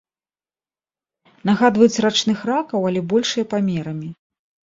Нагадваюць рачных ракаў, але большыя памерамі.